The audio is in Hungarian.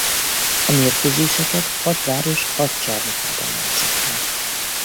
A mérkőzéseket hat város hat csarnokában játszották.